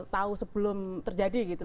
tahu sebelum terjadi gitu